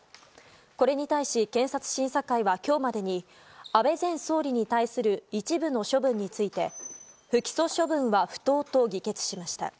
これに対し検察審査会は今日までに安倍前総理に対する一部の処分について不起訴処分は不当と議決しました。